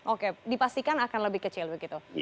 oke dipastikan akan lebih kecil begitu